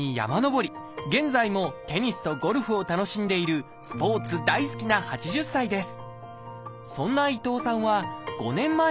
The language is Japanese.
現在もテニスとゴルフを楽しんでいるスポーツ大好きな８０歳です。